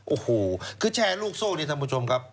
โอ้โหคือแชร์ลูกโซ่นี่ท่านผู้ชมครับ